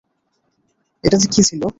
এটাতে কি ছিল?